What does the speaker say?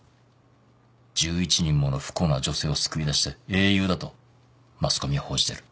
１１人もの不幸な女性を救い出した英雄だとマスコミは報じてる。